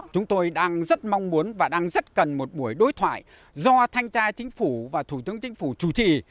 chúng tôi đang rất mong muốn và đang rất cần một buổi đối thoại do thanh trai chính phủ và thủ tướng chính phủ chủ trì